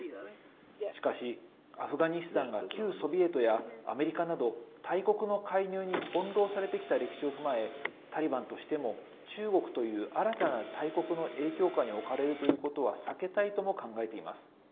しかし、アフガニスタンが旧ソビエトやアメリカなど大国の介入に翻弄されてきた歴史を踏まえタリバンとしても中国という新たな大国の影響下に置かれるということは避けたいとも考えています。